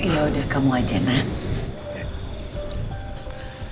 ya udah kamu aja nak